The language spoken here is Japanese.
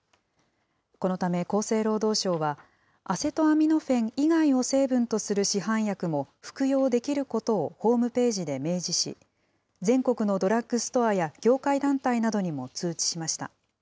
このため厚生労働省は、アセトアミノフェン以外を成分とする市販薬も服用できることをホームページで明示し、全国のドラッグストアや業界団体などにも通知しました。